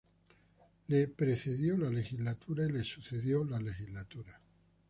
Le precedió la legislatura y le sucedió la legislatura.